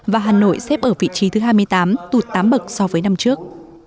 và hà nội xếp ở vị trí thứ hai mươi tám tụt tám bậc so với năm trước